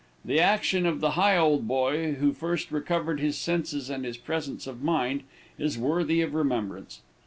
The action of the Higholdboy, who first recovered his senses and his presence of mind, is worthy of remembrance.